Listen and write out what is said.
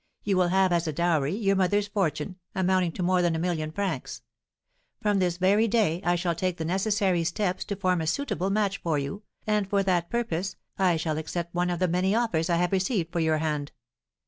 You will have as a dowry your mother's fortune, amounting to more than a million francs. From this very day, I shall take the necessary steps to form a suitable match for you, and, for that purpose, I shall accept one of the many offers I have received for your hand.'